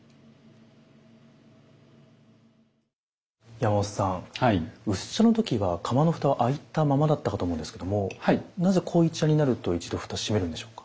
山本さん薄茶の時は釜の蓋は開いたままだったかと思うんですけどもなぜ濃茶になると一度蓋閉めるんでしょうか。